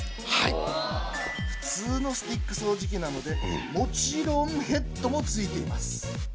普通のスティック掃除機なのでもちろんヘッドもついています。